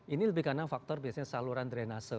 ini lebih karena faktor biasanya saluran drenase